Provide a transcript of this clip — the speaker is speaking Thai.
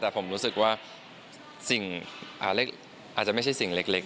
แต่ผมรู้สึกว่าสิ่งอาจจะไม่ใช่สิ่งเล็ก